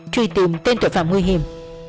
truy tìm tên tội phạm nguy hiểm